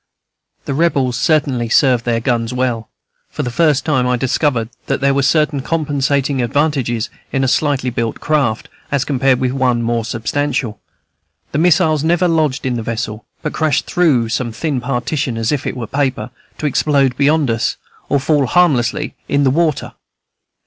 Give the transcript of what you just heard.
The Rebels certainly served then: guns well. For the first time I discovered that there were certain compensating advantages in a slightly built craft, as compared with one more substantial; the missiles never lodged in the vessel, but crashed through some thin partition as if it were paper, to explode beyond us, or fall harmless in the water.